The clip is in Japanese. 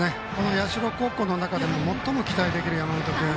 社高校の中でも最も期待できる山本君。